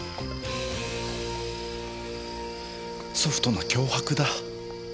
ソフトな脅迫だ。